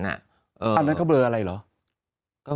อันนั้นเขาเบอร์อะไรเหรอ